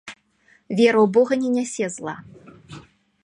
Вера ў бога не нясе зла.